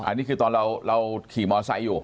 อันนี้คือตอนเราขี่มอไซค์อยู่